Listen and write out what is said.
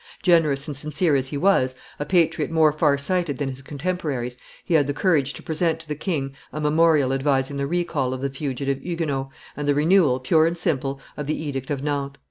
Generous and sincere as he was, a patriot more far sighted than his contemporaries, he had the courage to present to the king a memorial advising the recall of the fugitive Huguenots, and the renewal, pure and simple, of the edict of Nantes.